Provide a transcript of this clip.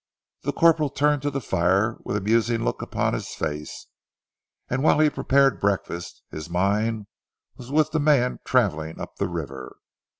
The corporal turned to the fire with a musing look upon his face, and whilst he prepared breakfast, his mind was with the man travelling up the river.